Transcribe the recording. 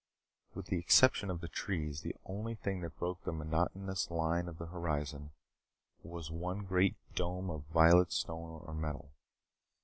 With the exception of the trees, the only thing that broke the monotonous line of the horizon was one great dome of violet stone or metal.